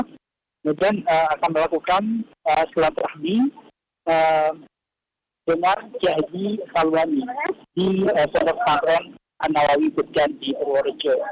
kemudian akan melakukan selatrahmi dengan kiai hedimor hamil di jodoh santren anawawi purworejo